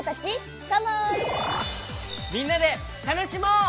みんなでたのしもう！